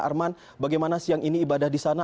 arman bagaimana siang ini ibadah di sana